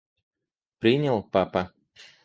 Принял папа?